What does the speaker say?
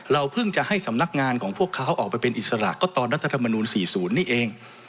เพิ่งจะให้สำนักงานของพวกเขาออกไปเป็นอิสระก็ตอนรัฐธรรมนูล๔๐นี่เอง